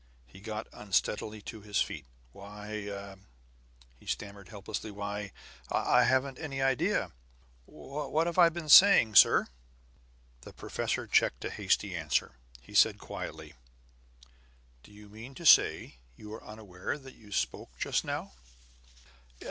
He got unsteadily to his feet. "Why " he stammered helplessly. "Why, I haven't any idea What have I been saying, sir?" The professor checked a hasty answer. He said quietly: "Do you mean to say you are unaware that you spoke just now?"